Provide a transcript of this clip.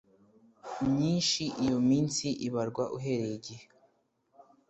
myinshi iyo minsi ibarwa uhereye igihe